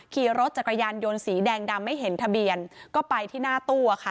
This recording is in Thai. ขี่รถจักรยานยนต์สีแดงดำไม่เห็นทะเบียนก็ไปที่หน้าตู้อะค่ะ